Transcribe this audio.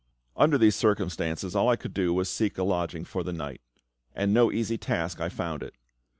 Under these circumstances all I could do was to seek a lodging for the night; and no easy task I found it.